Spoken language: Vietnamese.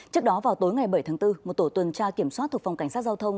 trước đó vào tối ngày bảy tháng bốn một tổ tuần tra kiểm soát thuộc phòng cảnh sát giao thông